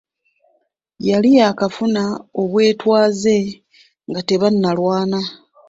Yali yaakafuna obwetwaze nga tebannalwana.